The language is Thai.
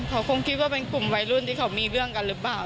เขาคงคิดว่าเป็นกลุ่มวัยรุ่นที่เขามีเรื่องกันหรือเปล่า